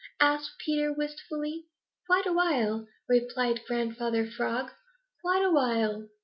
asked Peter wistfully. "Quite a while," replied Grandfather Frog. "Quite a while.